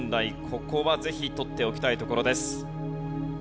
ここはぜひ取っておきたいところです。